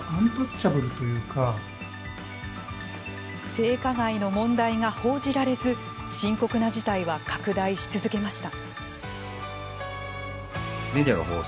性被害の問題が報じられず深刻な事態は拡大し続けました。